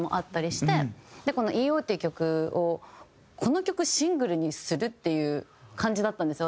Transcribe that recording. この『Ｅ．Ｏ．』っていう曲をこの曲シングルにする？っていう感じだったんですよ